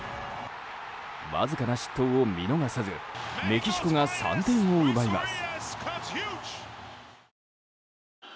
わずかな失投を見逃さずメキシコが３点を奪います。